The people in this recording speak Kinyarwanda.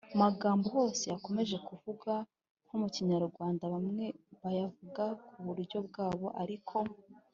magambo hose yakomeje kuvugwa nko mu kinyarwanda: bamwe bayavuga ku buryo bwabo, ariko